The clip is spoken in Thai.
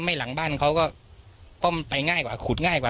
หลังบ้านเขาก็ป้อมไปง่ายกว่าขุดง่ายกว่า